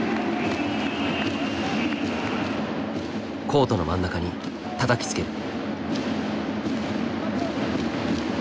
コートの真ん中にたたきつける。